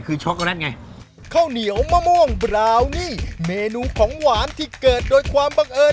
คือช็อกโกแลตไงข้าวเหนียวมะม่วงบราวนี่เมนูของหวานที่เกิดโดยความบังเอิญ